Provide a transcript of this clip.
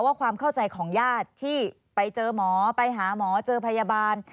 ความเข้าใจของญาติที่ไปเจอหมอไปหาหมอเจอพยาบาล